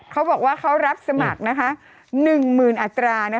เขาบอกว่าเขารับสมัคร๑๐๐๐อัตรา